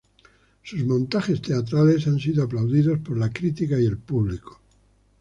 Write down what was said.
Sus montajes teatrales han sido aplaudidos por la crítica y el público.